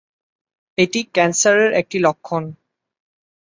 এটি ক্যান্সারের একটি লক্ষণ।